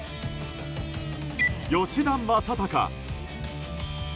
吉田正尚。